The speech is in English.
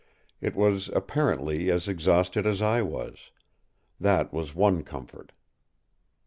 It was apparently as exhausted as I was; that was one comfort.